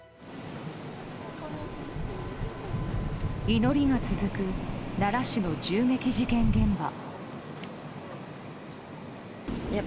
祈りが続く奈良市の銃撃事件現場。